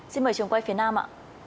xin mời trường quay phía nam ạ